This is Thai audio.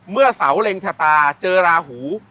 เมื่อเสาเล็งชะตาเจอราหู